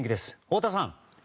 太田さん！